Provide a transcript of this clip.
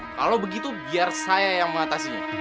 kalau begitu biar saya yang mengatasinya